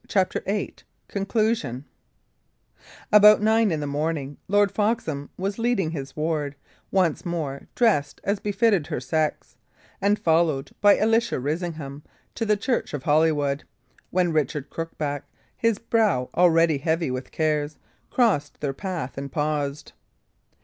CHAPTER VIII CONCLUSION About nine in the morning, Lord Foxham was leading his ward, once more dressed as befitted her sex, and followed by Alicia Risingham, to the church of Holywood, when Richard Crookback, his brow already heavy with cares, crossed their path and paused.